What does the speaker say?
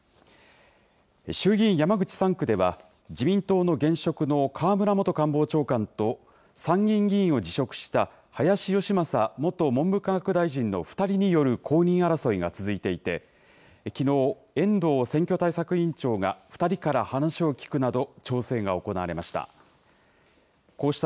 衆議院山口３区では、自民党の現職の河村元官房長官と、参議院議員を辞職した林芳正元文部科学大臣の２人による公認争いが続いていて、きのう、遠藤選挙対策委員長が２人から話を聞くなど、調整が行われました。